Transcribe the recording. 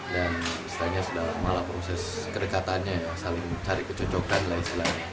dan istilahnya sedang malah proses kerekatannya saling cari kecocokan lah istilahnya